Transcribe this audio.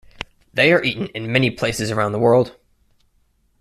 They are eaten in many places around the world.